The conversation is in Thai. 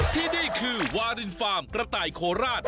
ที่นี่คือวารินฟาร์มกระต่ายโคราช